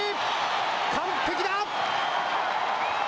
完璧だ！